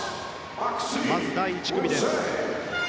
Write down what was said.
まず第１組です。